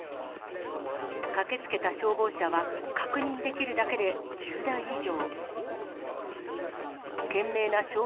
駆けつけた消防車は、確認できるだけで１０台以上。